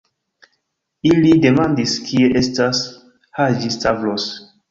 Ili demandis, kie estas Haĝi-Stavros.